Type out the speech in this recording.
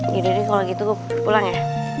yaudah deh kalau gitu gue pulang ya